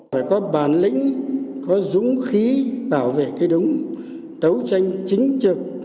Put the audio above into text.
phải có bản lĩnh có dũng khí bảo vệ cái đúng đấu tranh chính trực